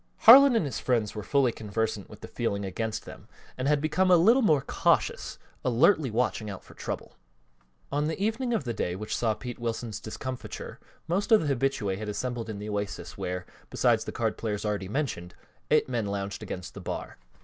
Harlan and his friends were fully conversant with the feeling against them and had become a little more cautious, alertly watching out for trouble. On the evening of the day which saw Pete Wilson's discomfiture most of the habitués had assembled in the Oasis where, besides the card players already mentioned, eight men lounged against the bar.